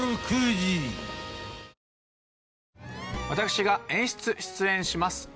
私が演出出演します